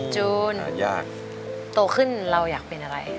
จูนยากโตขึ้นเราอยากเป็นอะไร